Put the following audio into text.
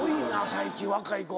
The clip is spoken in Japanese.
最近若い子。